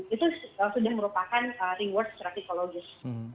itu sudah merupakan reward secara psikologis